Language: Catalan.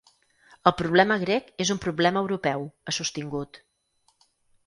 “El problema grec és un problema europeu”, ha sostingut.